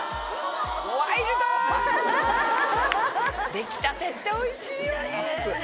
出来たてっておいしいよね！